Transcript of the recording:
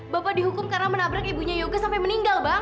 bapak dihukum karena menabrak ibunya yoga sampai meninggal bang